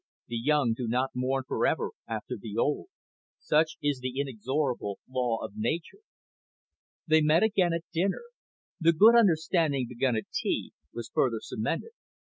The young do not mourn for ever after the old. Such is the inexorable law of nature. They met again at dinner. The good understanding, begun at tea, was further cemented.